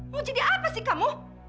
mau jadi apa sih kamu